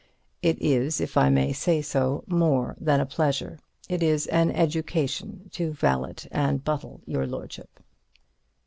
It is, if I may say so, more than a pleasure—it is an education, to valet and buttle your lordship.